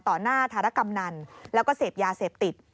ต่อหน้าธารกำนันแล้วก็เสพยาเสพติด